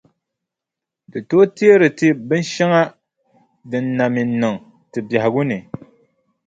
Di tooi teeri ti binʼ shɛŋa din na mi n-niŋ ti biɛhigu ni.